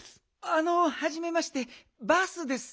あのはじめましてバースです。